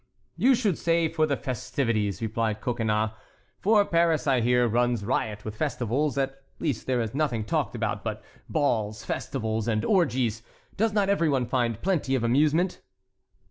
"You should say for the festivities," replied Coconnas; "for Paris, I hear, runs riot with festivals; at least there is nothing talked about but balls, festivals, and orgies. Does not every one find plenty of amusement?"